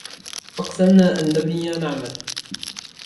أَقْسَمْنَا أَنْ نَبْنِيَ نَعْمَل